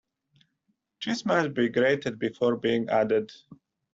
Cheese must be grated before being added.